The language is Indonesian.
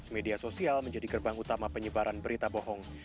media sosial menjadi gerbang utama penyebaran berita bohong